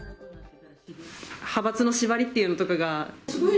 派閥の縛りっていうのとかが？